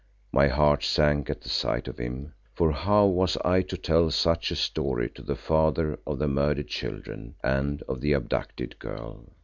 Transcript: My heart sank at the sight of him, for how was I to tell such a story to the father of the murdered children and of the abducted girl?